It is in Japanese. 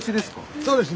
そうですね。